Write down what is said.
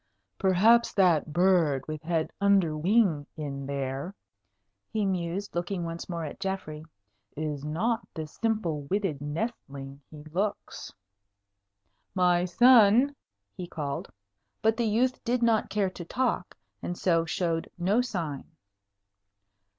"Perhaps that bird with head under wing in there," he mused, looking once more at Geoffrey, "is not the simple witted nestling he looks. My son!" he called. But the youth did not care to talk, and so showed no sign.